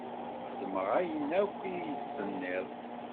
Xedmeɣ ayen akken i yi-d-tenniḍ.